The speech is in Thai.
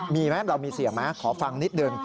มีไหมเรามีเสียงไหมขอฟังนิดนึง